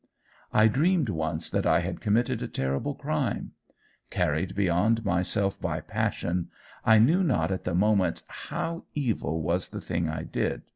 "I dreamed once that I had committed a terrible crime. Carried beyond myself by passion, I knew not at the moment HOW evil was the thing I did.